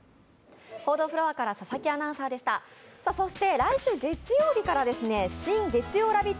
来週月曜日から新・月曜ラヴィット！